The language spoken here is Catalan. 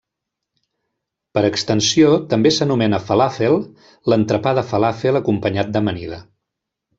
Per extensió, també s'anomena falàfel l'entrepà de falàfel acompanyat d'amanida.